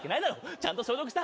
ちゃんと消毒した？